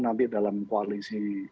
nanti dalam koalisi